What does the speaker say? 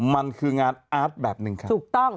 มันคืองานอาร์ตแบบนึงครับ